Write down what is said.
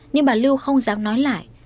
nhưng bà lưu không dám nói lại